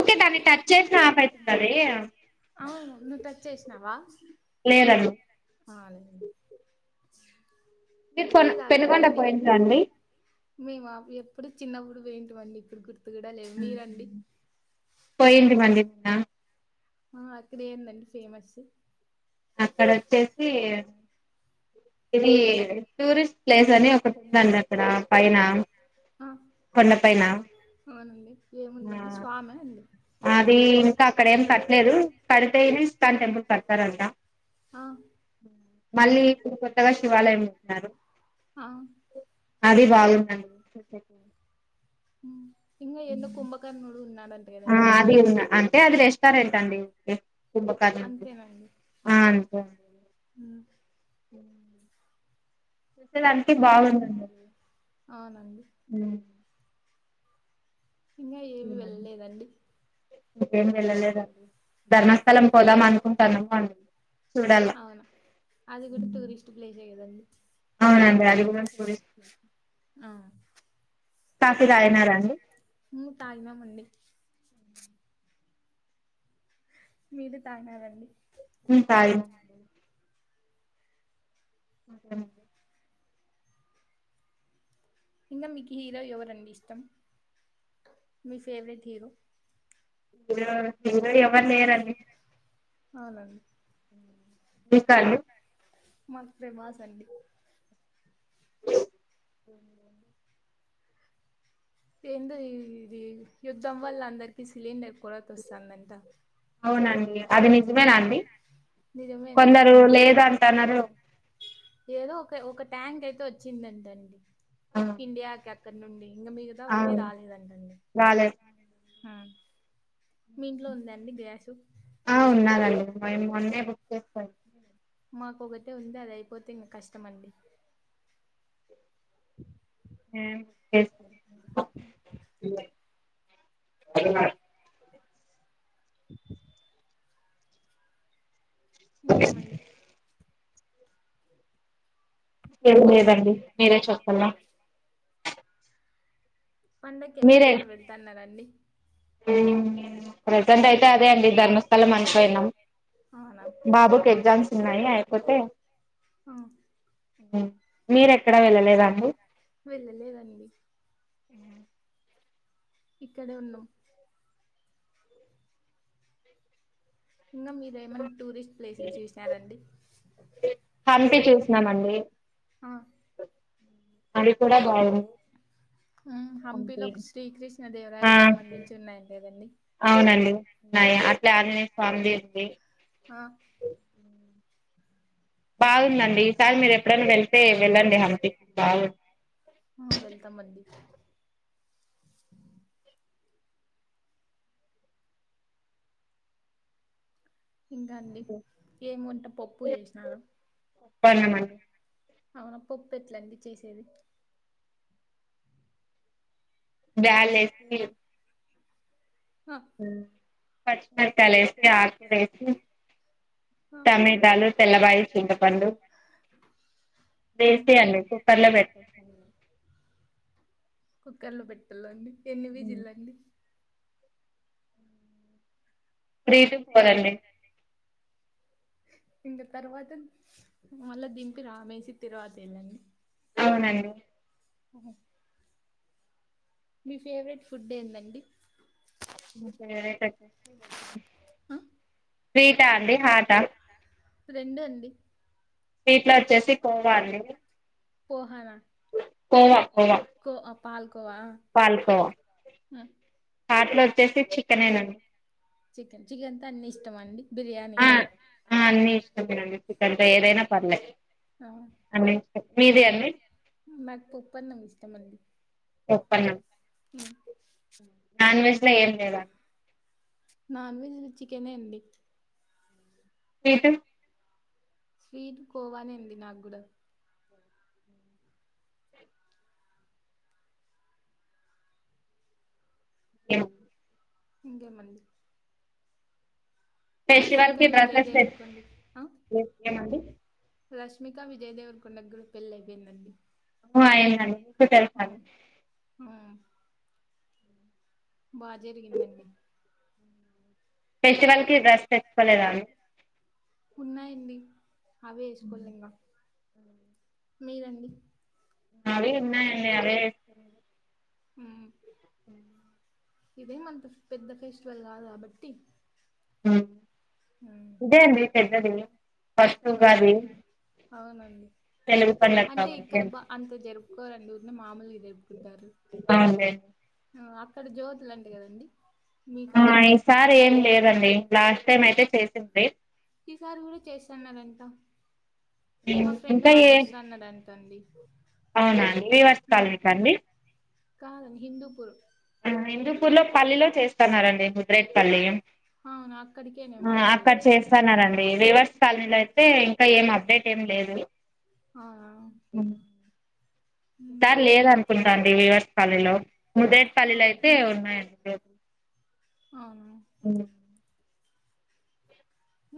Okay దాన్ని touch చేసి off అయితుందిది నవా లేేరలు ఆనే మీ కొను పెన్నగొండ పోయించండి మేము ఎప్పుడు చిన్నప్పుడు పోయింటిమండి ఇప్పుడు గుర్తు కూడా లేదు మీరండి పోయింటి మండి ఆ అక్కడ ఏందండి ఫేమస్ అక్కడ వచ్చేసి ఇది టూరిస్ట్ ప్లేస్ అని ఒకటి ఉందండి అక్కడ పైన కొండ పైన అవునండి ఆ ఏముందండి స్వామ అండి అది ఇంకా అక్కడ ఏం కట్టలేదు కడితే ఇకాన్ టెంపుల్ కడతారంట అవు మళ్ళీ ఇప్పుడు కొత్తగా శివాలయం ఉంటున్నారు ఆ అది బాగుందం చె ఉ ఇంకా ఏందో కుంభకర్ణుడు ఉన్నాడుంట కదండి అది ఉన్నా అంటే ఏ సరేంటండి కుంభకర్ణుడు ఆ ఆ ఆ ఉమ్ చూడదానికి ఇం బాగుందండి అవునండి ఉమ్ ఇంకా ఏమి వెళ్ళలేదండి ే ధ కలం పోదాం అనుకుంటాన్నామ ఉ చూడాల అవును అది కూడా ఉమ్ టూరిస్ట్ ప్లేసే కదండి అవునండి అది కూడా [unintelligible] ఆ కాఫీ తాయినరండి. ఉమ్, తాగినామండి మీరు తాగారండి. తాయినం [inaudible] ఇంగా మీకి హీరో ఎవరండి ఇష్టం, మీ ఫేవరెట్ హీరో ఇరో ఈరో ఎవరు లేేరంని. అవునండి. మీ కా అంని మాకు ప్రభస్ అండి. ఎందో ఇవి వి యి యుద్ధం వల్ల అందరికి సిలిండర్ కూడా తొస్సాందంట అవునండి అది నిజమేనాండి. నిజమే అండి కొందరు లేద అంటన్నారు. ఏదో ఒక ఒక ట్యాంక్ అయితే వచ్చిందంటండి. ఇండియాక కన్ నుండి ఇంగ మిగతావన్నీ అవును రాలేదంటండి. రాలేదు మీ ఇంట్లో ఉందండి గ్యాసు ఆ ఉన్నాదండి మయ్ మొన్నే బుక్ చేసుపొయ్ మాకు ఒకటే ఉంది అది అయిపోతే ఇంగా కష్టమండి. హేం [unintelligible] [unintelligible] ఇంగేమండి. ఏం లేదండి మీరే చెప్పాల పండక్కి ఎక్కడికెనా వెళ్తన్నారండి? హు ప్రజెంట్ అయితే అదే అండి ధర్మస్థలం అనికొయిన్నం, అవునా బాబుకి ఎగ్జామ్స్ ఉన్నాయి అయిపోతే ఆ, మీరెక్కడ వెళ్ళలేదండి. వెళ్ళలే హు ఇక్కడే ఉన్నం. ఇంకా మీరెమైన్నా టూరి ప్లేస్ లు చూసున్నారండి. హంపి చూసినామండి అది కూడా బాగుంది. హంపిలో హంపి శ్రీకృష్ణ ఆ దేవరాకి సంబంధించి ఉన్నాయం లేదండి ప్లాన్ ఫందింది ఆ బాగుందండి ఈసారి మీరు ఎప్పుడైనా వెళ్తే వెళ్ళండి హంపి బాగు ఆ వెళ్తాం అడి ఇంకా అండి ఏమి ఉంటే పప్పు చేసినారు పర్లమ అవునా పప్పు ఎట్లండి చేసేది బ్యాలస్ ఆ హ పచ్చిమిరసాల వేసి ఆకులు వేసి ఆ టమెటాలు తెల్ల బాయి చిన్న పడు ఆ వేసే అండి కుక్కర్లో పెట్టేస్తాను కుక్కర్లు పెట్టాలండి ఎన్నివి జిల్లా అండి త్రి టు ఫోర్ అండి ఇంకా తర్వాత మళ్ళా దదింపి రామేసి తరువాత వెళ్ళండి అవునండి అఓ మీ ఫేవరెట్ ఫుడ్ ఏందండి సరే ఆ స్ీట అడి హట రెండు అండి వీట్లో వచ్చేసి పోవాలి పోహానా పోవా పోవా కో పాలకు కువా పాటలో వచ్చేసి చికెన్ అయినండి చికెన్ చికెన్ంత అన్నిీ ఇష్టం అండి బిర్యానీనా చెప్పండి కగా ఏదైనా పర్లేదు ఆ అన్న మీదే అండి నాకు పప్పన్నం ఇష్టమండి ఒప్పం నన్ వెెజ్ ఏ లేద నాన్ వెజ్ చికెనే అండి స్వీట్ స్వీట్ కోవానే అండి నాక్ గుడ [inaudible] ఇంకే మంది ఫెస్టివల్కి విజయ్ డ్రెస్సెస్ దేవరకొండ ఆ రష్మిక విజయ్ దేవర్ కొండ గుడ పెళ్లైపోయిందండి [unintelligible] కు తెలుసాను ఉమ్, బాగా జరిగిందండి ఫెస్టివల్కి డ్రెస్ తెచ్చుకోలేదా అండి ఉన్నాయండి. అవే ఎస్కోవాలి ఇంగ మీరండి. అవే ఉన్నయ్ అండి అవే మ్ ఇదే మన పెద్ద ఫెస్టివల్ కాదు కాబట్టి ఉమ్, ఇదే అంది పెద్దది ఫస్ట్ అవును ఉగాది అవునండి తెలుగు పండగ అంటే కాబట్టి ఇక్కడ అండి. అంత జరుపుకోరండి ఊరిని మామూలుగా జరుపుకుంటారు అవునులేండి అక్కడ జ్యోతులు అంటే కదండి మీకల్లా ఆ ఈసారి ఏం లేదండి. లాస్ట్ టైం అయితే చేసింది ఈసారి కూడా చేస్తన్నారంట మా ఉమ్, ఫ్రెండ్ ఇంకా ఏ వాళ్ళు వస్త అన్నారంట అండి అవునా అండి వివాస్ హ్మ్ కాలనికా అండి కాదండి హిందూపూర్ హిందూపూర్లో పల్లిలో చేస్తున్నారండి ముద్రేట్ పల్లి అవునా ఆ, అక్కడికేనేమండి వాల్ అక్కడ వస్త చేస్తున్నారండి రివర్స్ కాలనీలో అయితే ఇంకా ఏం అప్డేట్ ఏం లేదు. ఆ సార్ లేద్ అనుకుంటా అండి వివర్స్ కాలనీలో ఆ ముదరేట్పల్లు అయితే ఉన్నాయండి అ అవునా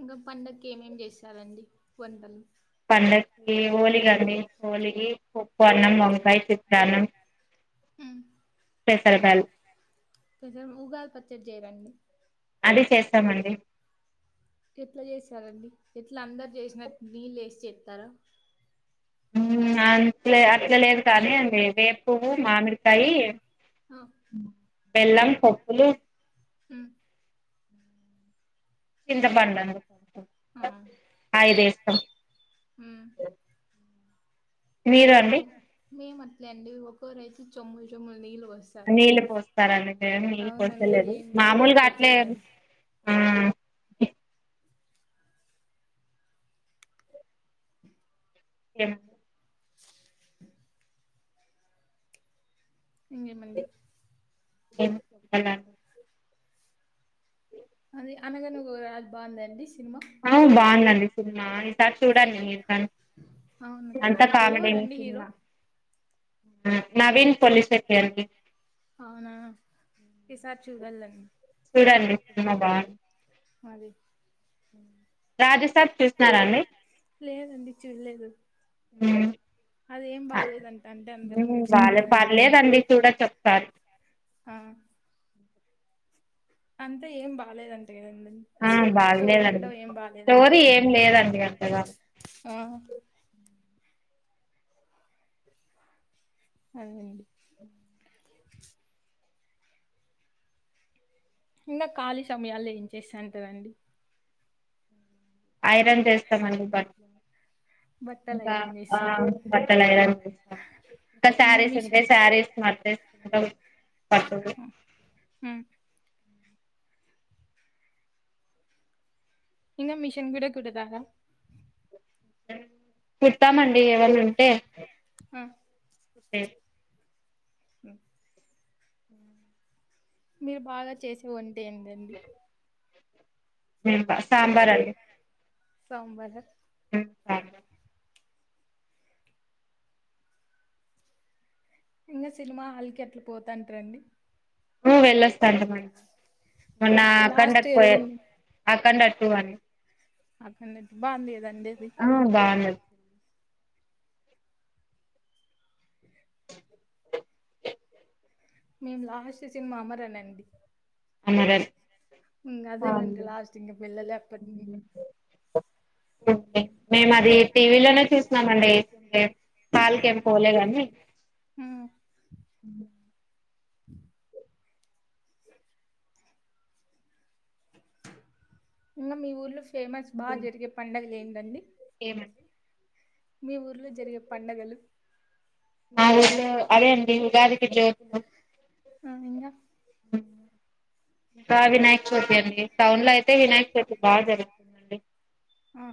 ఇంకా పండగ్కి ఏమేం చేస్తారండి వంటలు పండకి హోలి గదండీ ఉప్పు అన్నం వంకాయ చితన్నం ఉ పెసర్ ల్ గల్ కొంచం ఊగా పచ్చడి జేయరండి అది చేస్తామండి ఎట్లా చేసారండి ఎట్లా అందరు చేసినట్ నీళ్ళు ఏసి చెస్తారా ఊమ్ అట్లే అట్లే లేదు కానీ అండి వేపువు మామిడికాయి అ బెల్లం పొప్పులు ఉ చింత పండను అయిదే అ ఊమ్ మీరు అండి మేము అట్లేండి ఒక్కో రైస్ చెమ్ములు చెమ్ములు నీళ్ళు పోస్తారు నీళ్ళు పోస్తారు అందుకే నీళ్ళు అవునండి అది పోసేలేదు గాది మామూలుగా అట్లే పచ్చడి కాదు ఆ ఎన్ ఇకేమండి ఏం చెపాలండి అది అనగా నువ్వు అ బాగుందండి సినిమా అవు బాగుందం సినిమా అంత చూడండి మీరు అం అవును అంతా చూడాలి కామీడే ఎవరండి హీరో సినిమా ఉ నవీన్ పొలశెట్టి అండీ అవునా ఈసారి చూడాలండి చూడండి సినిమా బాగుం మరి రాజసబ్ చూసినారా అండి లేదండి చూ లేదు ఊ అదేం బాలేదంట అంటే అందరు ఇంగ చులేదాని సరు ఆ అంతే ఏం బాగాలేదంతే ఆ బాగలేదండి బాలేదంట స్టోరీ ఏం లేదండి అంతగా ఆ హు హు ఇంకా ఖాళీ సమయాల్లో ఏం చేస్తాంటరూ అండి ఐరన్ చేస్తామండి బట్టలు బట్టలు ఇంకా ఐరన్ ఆ చేస్తారు బట్టలు ఐరన్ ఇంకా ఇంగ శారీస్ ఉంటే మిషన్ శారీస్ [unintelligible] [inaudible] ఇంకా మిషన్ కూడా కూడుతార కూడ్తామండి ఎవరు ఉంటే ఆ కె [unintelligible] [unintelligible] మీరు బాగా చేసివోన్ వంట ఎందండి సాంబార్ అండి సాంబార్ [inaudible] ఇంకా సినిమా హాల్ కి ఎట్లా పోతాంటారండి. హు వెళ్ళొస్తాం అండి ఆ మొన్న అఖండ లాస్ట్ పోయ అఖండ [unintelligible] అఖండ బాగుంది కదా అండి అది ఆ బాగుంది మేము లాస్ట్ సినిమా అమరన్ అమరన్ ఇంగ అదే నండి అవునండి లాస్ట్ ఇంగ పిల్ళల ఎప్పటి నుడి మేము అది టీవీ లోనే చూసినం అండి హాల్ కేం పోలేందండి. - [inaudible] ఇంగ మీ ఊర్లో ఫేమస్ బాగా జరిగే పండగలు ఏంటి అండి ఏమండి. మీ ఊర్లో జరిగే పండగలు [unintelligible] అదే అండి గది [unintelligible] ఇంగ ఇంకా వినాయక చవితి అండి టౌన్ లో అయితే వినాయక చవితి బాగా జరుగుతుందండి. ఆ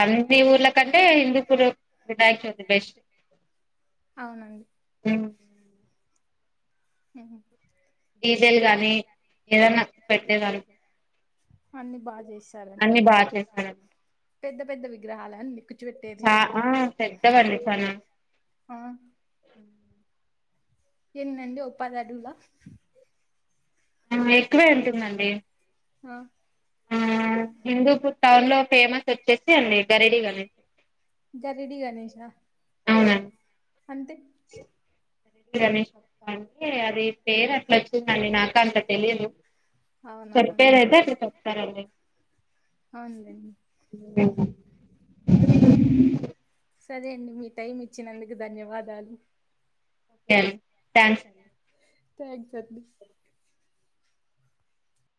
అన్ని ఊర్లకంటే హిందూపూర్ వినాయక చవితి బెస్ట్ అవునండి అ హ డీజెల్ గానీ ఏదన్నా పెట్టేద అన్నిీ బాగా చేే అన్ని బాగా చేశాడు అండి పెద్ద పెద్ద విగ్రహాల చ ఆ పెద్ద పండి చనా ఆ ఎన్ని అండి ఒక పది అడుగుల ఎక్కువే ఉంటుందండి ఆ ఆ హిందూస్ టౌన్ లో ఫేమస్ వచ్చేసి అండి గరడీగా అనేసి గారిడి గణేష్ ఆ అవునా అంతే ే గమేష్ అప్ప అండి అది పేరు అట్లా వచ్చిందని నాక అంత తెలిదు అవునా అవునులేండి [unintelligible] [unintelligible] సరే అండి మీ టైం ఇచ్చినందుకు ధన్యవాదాలు ఓకే అండి థ్యాంక్స్ అండి ట ఎగజట్లీ